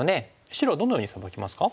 白はどのようにサバきますか？